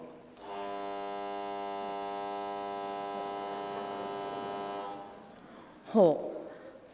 หมายเลข๗